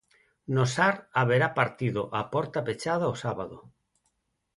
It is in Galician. No Sar haberá partido a porta pechada o sábado.